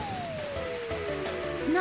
何？